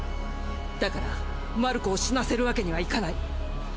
だからマルコを死なせるわけにはいかない。